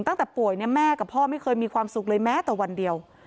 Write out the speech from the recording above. ตั้งแต่ป่วยเนี่ยแม่กับพ่อไม่เคยมีความสุขเลยแม้แต่วันเดียว